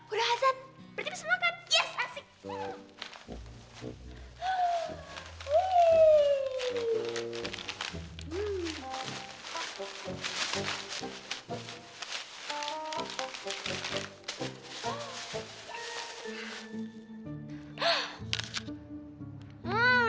udah azan berjepit semangat yes asik